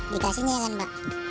dikasihnya kan mbak